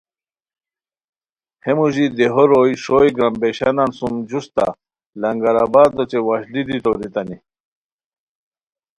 ہے موژی دیہو روئے ݰوئے گرامبیشانان سُم جوستہ لنگرآباد اوچے وشلی دی تورتانی